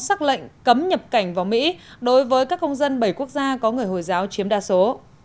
xác lệnh cấm nhập cảnh vào mỹ đối với các công dân bảy quốc gia có người hồi giáo chiếm đa số